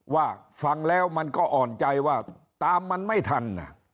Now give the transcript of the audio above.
ว่าฟังแล้วมันก็อ่อนใจว่าตามมันไม่ทัน